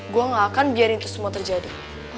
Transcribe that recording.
gue gak akan biarin itu semua terjadi